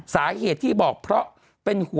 สาเหตุที่บอกเพราะเป็นห่วง